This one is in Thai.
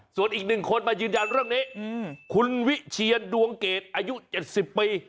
ส่วนอีกหนึ่งคนมายืนยันเรื่องนี้คุณวิเชียนดวงเกรดอายุ๗๐ปี